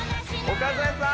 岡副さん！